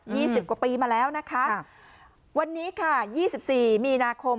สิบกว่าปีมาแล้วนะคะค่ะวันนี้ค่ะยี่สิบสี่มีนาคม